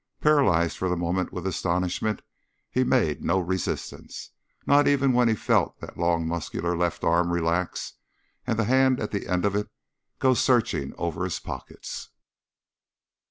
Paralyzed for the moment with astonishment, he made no resistance, not even when he felt that long muscular left arm relax and the hand at the end of it go searching over his pockets.